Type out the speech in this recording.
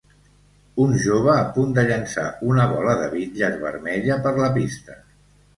Un jove a punt de llançar una bola de bitlles vermella per la pista.